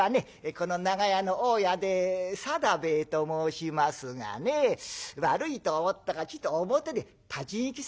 この長屋の大家で定兵衛と申しますがね悪いと思ったがちと表で立ち聞きさせてもらいましたよ。